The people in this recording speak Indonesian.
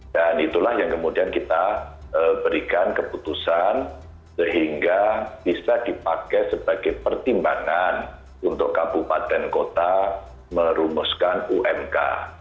dan itulah yang kemudian kita berikan keputusan sehingga bisa dipakai sebagai pertimbangan untuk kabupaten kota merumuskan umk